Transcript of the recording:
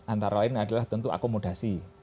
antara lain adalah tentu akomodasi